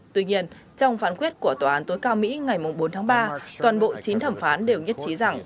tuy nhiên trong phán quyết của tòa án tối cao mỹ ngày bốn tháng ba toàn bộ chín thẩm phán đều nhất trí rằng